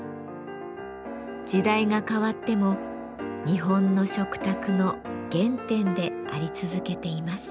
時代が変わっても日本の食卓の原点であり続けています。